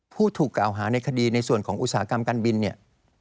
ผู้ถูกกล่าวหาในคดีในส่วนของอุตสาหกรรมการบินเนี่ย